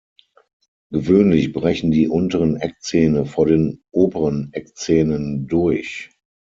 Gewöhnlich brechen die unteren Eckzähne vor den oberen Eckzähnen durch.